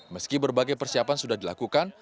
meski berbagai persiapan sudah dilakukan